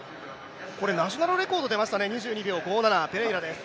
ナショナルレコード出ましたね、２２秒５７、ペレイラです。